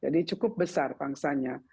jadi cukup besar pangsanya